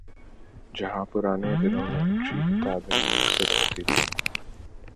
جہاں پرانے دنوں میں اچھی کتابیں میسر ہوتی تھیں۔